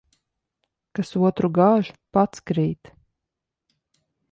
Kas otru gāž, pats krīt.